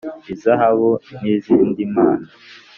Izahabu n izindi mpano